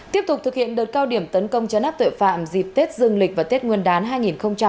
tiếp tục thực hiện đợt cao điểm tấn công cho nắp tội phạm dịp tết dương lịch và tết nguyên đán hai nghìn hai mươi ba